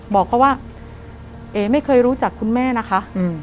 บอกเขาว่าเอ๋ไม่เคยรู้จักคุณแม่นะคะ